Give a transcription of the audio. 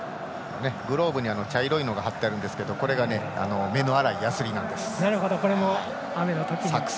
グローブに茶色いのが張ってあるんですがこれが、目の粗いやすりなんです。